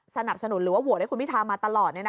สนับสนุนหรือว่าโหวตให้คุณพิทามาตลอด